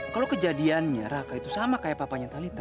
kalau kejadiannya raka itu sama kayak papanya talita